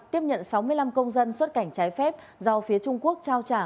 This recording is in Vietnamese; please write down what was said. tiếp nhận sáu mươi năm công dân xuất cảnh trái phép do phía trung quốc trao trả